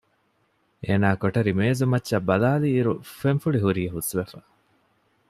އޭނާ ކޮޓަރި މޭޒުމައްޗަށް ބަލާލިއިރު ފެންފުޅި ހުރީ ހުސްވެފަ